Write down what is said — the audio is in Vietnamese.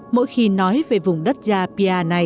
mỗi khi nói về vùng đất già pia này